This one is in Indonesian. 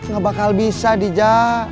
gak bakal bisa dija